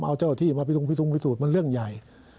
อาจจะเอาเจ้าติมาพิธุงมันเรื่องใหญ่